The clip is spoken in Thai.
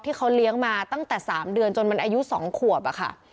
ที่เขาเลี้ยงมาตั้งแต่๓เดือนจนมันอายุ๒ขวบอะค่ะ